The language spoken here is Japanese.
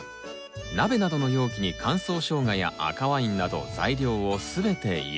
鍋などの容器に乾燥ショウガや赤ワインなど材料を全て入れ